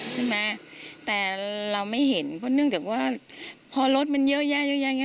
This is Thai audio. ใช่ไหมแต่เราไม่เห็นเพราะเนื่องจากว่าพอรถมันเยอะแยะเยอะแยะ